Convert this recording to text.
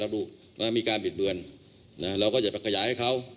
แล้วดูมันมีการบิดเบือนเราก็จะประขยายให้เขา